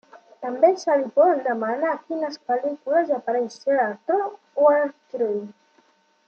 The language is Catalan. També se li poden demanar a quines pel·lícules apareix cert actor o actriu.